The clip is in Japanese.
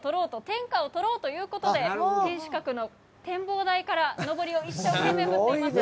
天下をとろうということで天守閣の展望台からのぼりを一生懸命振っています。